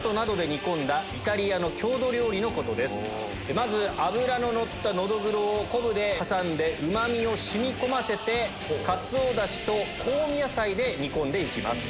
まず脂ののったノドグロを昆布で挟んでうまみを染み込ませてかつおダシと香味野菜で煮込んでいきます。